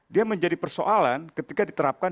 dia menjadi persoalan ketika diterapkan